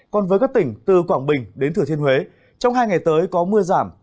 còn với các tỉnh từ quảng bình đến thừa thiên huế trong hai ngày tới có mưa giảm